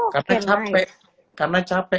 karena capek karena capek